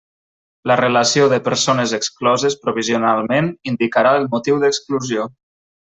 La relació de persones excloses provisionalment indicarà el motiu d'exclusió.